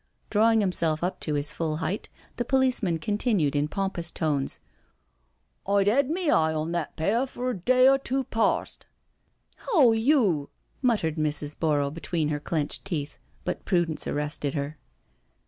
Drawing himself up to his full height, the policeman continued in pompous tones: "I'd 'ad me eye on that pair for a day or ,two parst. ••."" Ho you .•." muttered Mrs. Borrow between her clenched teeth, but prudence arrested her.